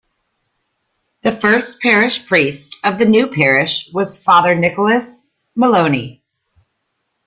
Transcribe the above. The first parish priest of the new parish was Father Nicholas Molony.